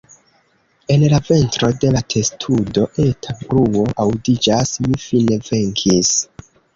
En la ventro de la testudo, eta bruo aŭdiĝas: "Mi fine venkis!"